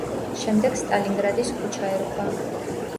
შემდეგ სტალინგრადის ქუჩა ერქვა.